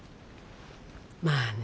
まあね